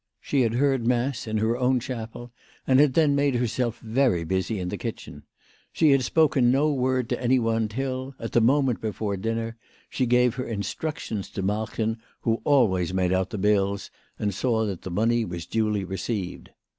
She had heard mass in her own chapel, and had then made her self very busy in the kitchen. She had spoken no word to any one till, at the moment before dinner, she gave her instructions to Malchen, who always made out the bills, and saw that the money was duly received.